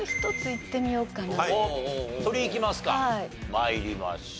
参りましょう。